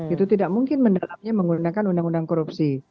itu tidak mungkin mendalamnya menggunakan undang undang korupsi